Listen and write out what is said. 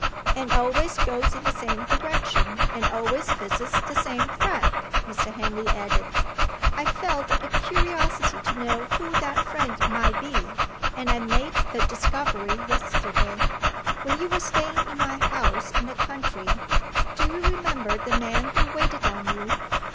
"And always goes in the same direction, and always visits the same friend," Mr. Henley added. "I felt a curiosity to know who that friend might be; and I made the discovery yesterday. When you were staying in my house in the country, do you remember the man who waited on you?"